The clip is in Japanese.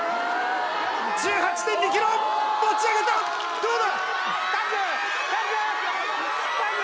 １８．２キロ、持ち上げた、どうだ？